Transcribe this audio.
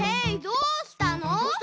どうしたの？